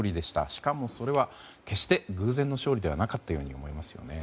しかもそれは決して偶然の勝利ではなかったように思いますよね。